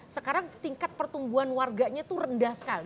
sekarang tingkat pertumbuhan warganya itu rendah sekali